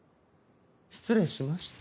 失礼しました。